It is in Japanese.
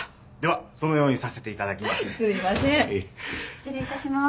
・失礼いたします。